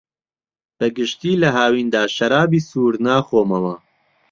بەگشتی لە هاویندا شەرابی سوور ناخۆمەوە.